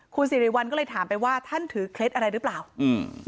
คุณสิริวัลก็เลยถามไปว่าท่านถือเคล็ดอะไรหรือเปล่าอืม